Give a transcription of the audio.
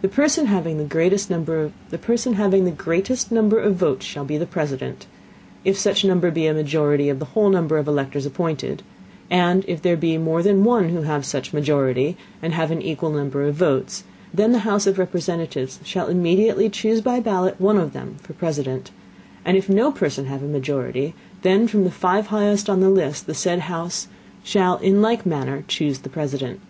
The Person having the greatest Number of Votes shall be the President, if such Number be a Majority of the whole Number of Electors appointed; and if there be more than one who have such Majority, and have an equal Number of votes, then the House of Representatives shall immediately chuse by Ballot one of them for President; and if no Person have a Majority, then from the five highest on the List the said House shall in like Manner chuse the President.